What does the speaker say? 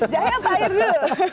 jahe apa air dulu